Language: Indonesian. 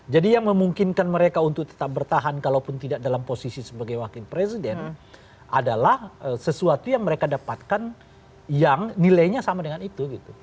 jadi yang memungkinkan mereka untuk tetap bertahan kalaupun tidak dalam posisi sebagai wakil presiden adalah sesuatu yang mereka dapatkan yang nilainya sama dengan itu gitu